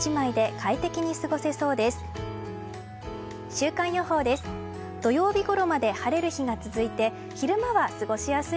週間予報です。